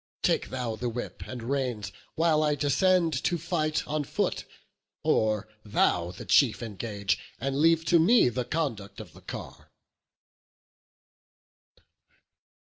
Take thou the whip and reins, while I descend To fight on foot; or thou the chief engage, And leave to me the conduct of the car."